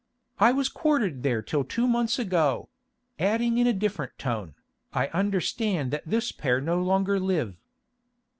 "I was quartered there till two months ago"; adding in a different tone, "I understand that this pair no longer live."